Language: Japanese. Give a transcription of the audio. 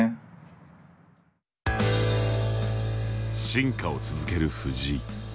進化を続ける藤井。